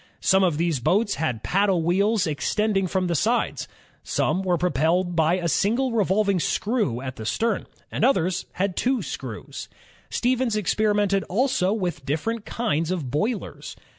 Some of these boats had paddle wheels extending from the sides; some were propelled by a single revolving screw at the stem, and others had two screws. Stevens experimented also with different kinds of boilers.